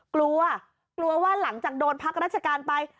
กลัวกลัวว่าหลังจากโดนพักราชการไป